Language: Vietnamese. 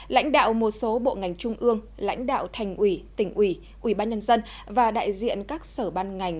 lãnh đạo một số bộ ngành trung ương lãnh đạo thành ủy tỉnh ủy ủy ban nhân dân và đại diện các sở ban ngành